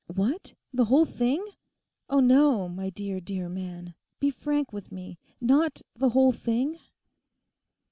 'What, the whole thing! Oh no, my dear, dear man; be frank with me; not the whole thing?